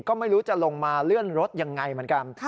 ก็ไม่รู้จะลงมาเลื่อนรถยังไงเหมือนกัน